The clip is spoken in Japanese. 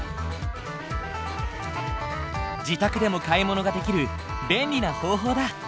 自宅でも買い物ができる便利な方法だ。